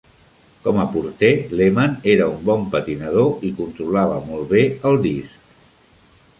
Com a porter, Lehman era un bon patinador i controlava molt bé el disc.